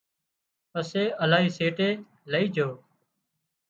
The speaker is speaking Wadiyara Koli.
پسي الاهي سيٽي لئي جھو